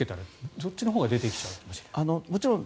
そっちのほうが出てきちゃうかもしれない。